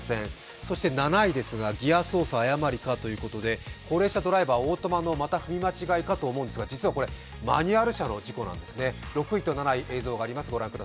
そして７位ですが、ギア操作誤りかということで高齢者ドライバー、オートマのまた踏み間違いかと思うんですが、実はこれ、マニュアル車の事故なんですね。